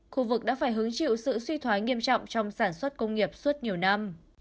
khu vực đã phải hứng chịu sự suy thoái nghiêm trọng trong sản xuất công nghiệp suốt nhiều năm